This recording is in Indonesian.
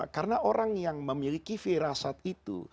karena orang yang memiliki firasat itu